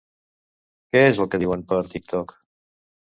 Què és el que diuen per TikTok?